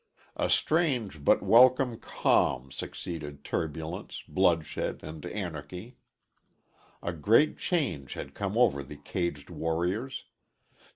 A strange, but welcome, calm succeeded turbulence, bloodshed, and anarchy. A great change had come over the caged warriors.